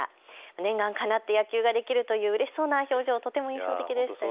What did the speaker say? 念願かなって野球ができるといううれしそうな表情、とても印象的でしたよね。